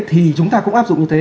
thì chúng ta cũng áp dụng như thế